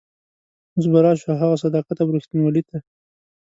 اوس به راشو هغه صداقت او رښتینولي ته.